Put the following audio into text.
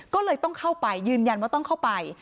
ก็เลยต้องเข้าไปยืนยันว่าต้องเข้าไป